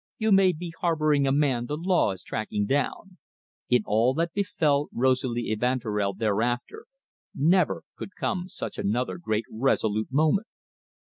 You may be harbouring a man the law is tracking down." In all that befell Rosalie Evanturel thereafter, never could come such another great resolute moment.